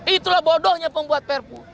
itulah bodohnya pembuat perpu